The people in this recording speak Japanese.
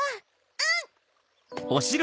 うん！